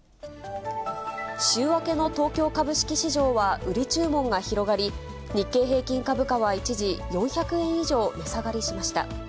週明けの東京株式市場は売り注文が広がり、日経平均株価は一時４００円以上値下がりしました。